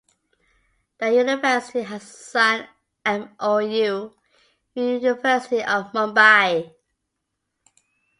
The University has signed an MoU with the University of Mumbai.